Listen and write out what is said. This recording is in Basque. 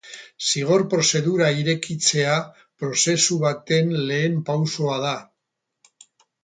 Zigor prozedura irekitzea prozesu luze baten lehen pausoa da.